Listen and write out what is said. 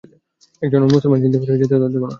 একজন মুসলমানও জিন্দা ফিরে যেতে দেবো না।